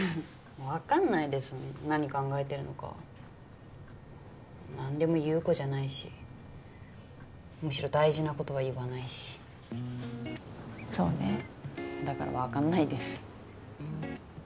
分かんないです何考えてるのか何でも言う子じゃないしむしろ大事なことは言わないしそうねだから分かんないです